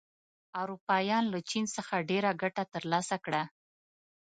اروپایان له چین څخه ډېره ګټه تر لاسه کړه.